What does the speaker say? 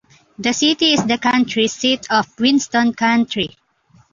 The city is the county seat of Winston County.